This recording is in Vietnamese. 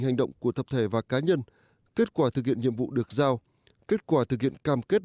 hành động của tập thể và cá nhân kết quả thực hiện nhiệm vụ được giao kết quả thực hiện cam kết